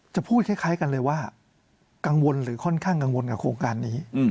จะพูดคล้ายกันเลยว่ากังวลหรือค่อนข้างกังวลกับโครงการนี้